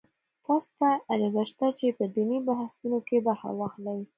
تاسو ته اجازه شته چې په دیني بحثونو کې برخه واخلئ.